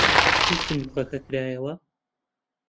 کەی سندووقەکە کرایەوە؟